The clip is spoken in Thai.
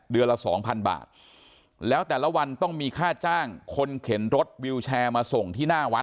ละสองพันบาทแล้วแต่ละวันต้องมีค่าจ้างคนเข็นรถวิวแชร์มาส่งที่หน้าวัด